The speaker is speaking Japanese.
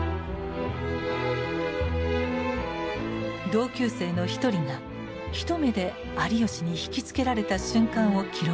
同級生の一人が一目で有吉に惹きつけられた瞬間を記録しています。